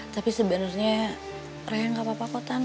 tapi sebenernya rehan gak apa apa kok tan